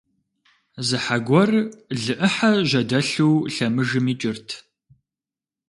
Зы хьэ гуэр лы Ӏыхьэ жьэдэлъу лъэмыжым икӀырт.